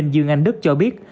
dương anh đức cho biết